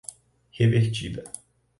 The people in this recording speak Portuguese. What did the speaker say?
revertida